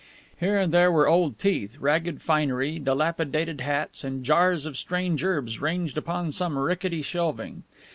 Here and there were old teeth, ragged finery, dilapidated hats, and jars of strange herbs ranged upon some rickety shelving.